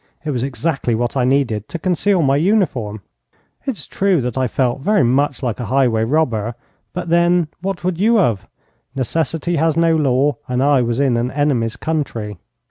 It was exactly what I needed to conceal my uniform. It is true that I felt very much like a highway robber, but then, what would you have? Necessity has no law, and I was in an enemy's country.